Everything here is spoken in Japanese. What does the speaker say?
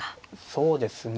そうですね。